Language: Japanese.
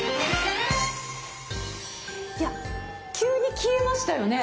急に消えましたよね。